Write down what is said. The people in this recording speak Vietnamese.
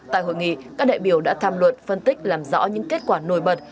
tại hội nghị các đại biểu đã tham luận phân tích làm rõ những kết quả nổi bật